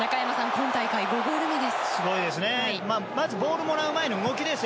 今大会５ゴール目です。